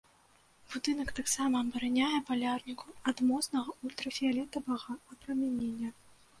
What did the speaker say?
Будынак таксама абараняе палярнікаў ад моцнага ультрафіялетавага апрамянення.